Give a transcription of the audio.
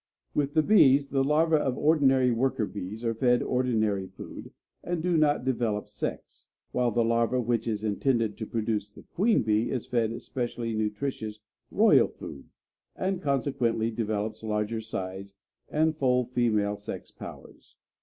With the bees, the larva of ordinary worker bees are fed ordinary food, and do not develop sex; while the larva which is intended to produce the queen bee is fed specially nutritious "royal food," and consequently develops larger size and full female sex powers.